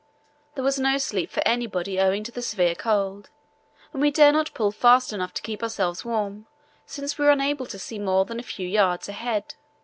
There was no sleep for anybody owing to the severe cold, and we dare not pull fast enough to keep ourselves warm since we were unable to see more than a few yards ahead.